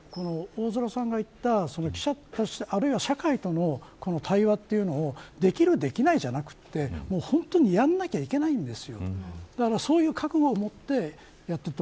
だから、ジャニーズとしては大空さんが言った記者あるいは社会との対話というのができる、できないじゃなくて本当にやらなきゃいけないんです。